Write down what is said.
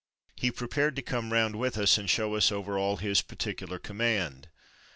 He prepared to come round with us and show us all over his particular command.